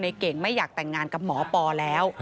เก่งไม่อยากแต่งงานกับหมอปอแล้ว